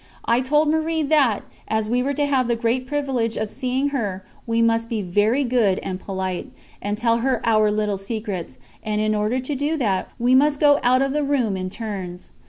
I told Marie, that, as we were to have the great privilege of seeing her, we must be very good and polite, and tell her our little secrets, and in order to do that, we must go out of the room in turns.